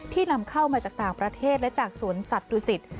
นำเข้ามาจากต่างประเทศและจากสวนสัตวศิษฐ